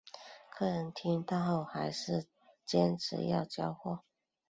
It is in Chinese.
客人听到后还是坚持要交货